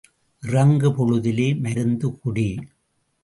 இறங்கு பொழுதிலே மருந்து குடி.